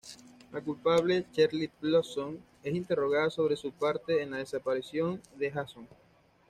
La "culpable" Cheryl Blossom es interrogada sobre su parte en la desaparición de Jason.